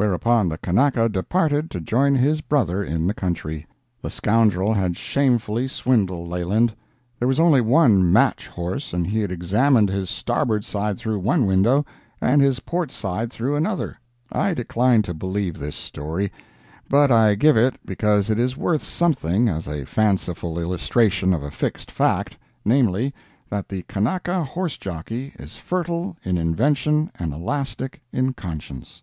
Whereupon the Kanaka departed to join his brother in the country. The scoundrel had shamefully swindled Leland. There was only one "match" horse and he had examined his starboard side through one window and his port side through another! I decline to believe this story, but I give it because it is worth something as a fanciful illustration of a fixed fact—namely, that the Kanaka horse jockey is fertile in invention and elastic in conscience.